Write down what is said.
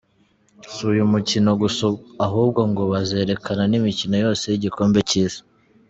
Si uyu mukino gusa ahubwo ngo bazerekana imikino yose y'igikombe cy'isi.